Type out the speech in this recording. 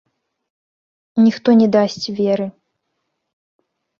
Ніхто не дасць веры.